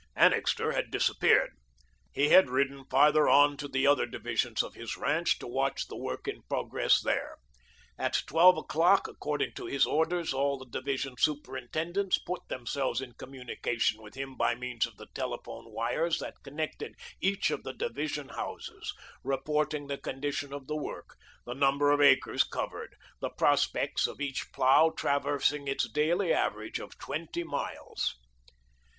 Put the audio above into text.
Annixter had disappeared. He had ridden farther on to the other divisions of his ranch, to watch the work in progress there. At twelve o'clock, according to his orders, all the division superintendents put themselves in communication with him by means of the telephone wires that connected each of the division houses, reporting the condition of the work, the number of acres covered, the prospects of each plough traversing its daily average of twenty miles.